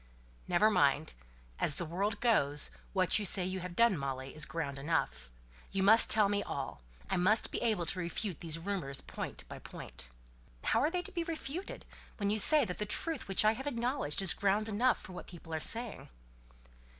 "Never mind. As the world goes, what you say you have done, Molly, is ground enough. You must tell me all. I must be able to refute these rumours point by point." "How are they to be refuted, when you say that the truth which I have acknowledged is ground enough for what people are saying?"